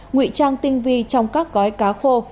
ngụy trang tinh vi trong các gói cá khô